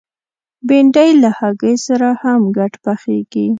بېنډۍ له هګۍ سره هم ګډ پخېږي